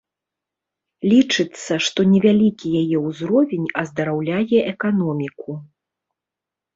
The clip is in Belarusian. Лічыцца, што невялікі яе ўзровень аздараўляе эканоміку.